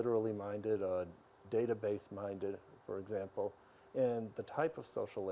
dan saya mendapatkan semua buku dari bilik